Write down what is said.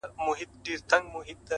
ماهېره که،